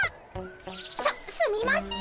すすみません。